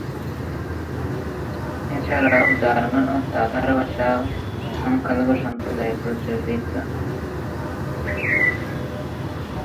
এছাড়াও জার্মান ও তাতার ভাষাও সংখ্যালঘু সম্প্রদায়ে প্রচলিত।